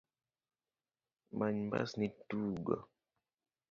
Many mbasni itug go.